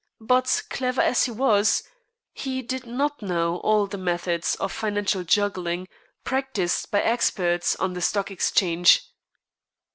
But, clever as he was, he did not know all the methods of financial juggling practised by experts on the Stock Exchange.